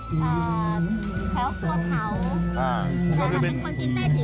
ประมาณนั้นว่าจะเริ่มมีคนจีน